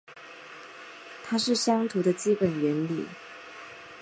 它是相图的基本原理。